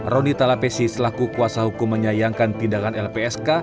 roni talapesi selaku kuasa hukum menyayangkan tindakan lpsk